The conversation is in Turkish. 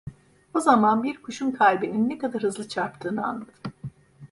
O zaman bir kuşun kalbinin ne kadar hızlı çarptığını anladım.